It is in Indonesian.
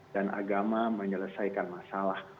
dan agama menyelesaikan masalah